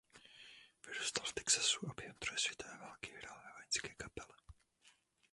Vyrůstal v Texasu a během druhé světové války hrál ve vojenské kapele.